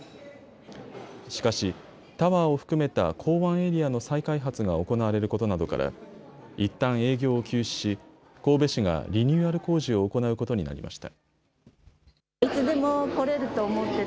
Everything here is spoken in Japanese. しかし、タワーを含めた港湾エリアの再開発が行われることなどからいったん営業を休止し神戸市がリニューアル工事を行うことになりました。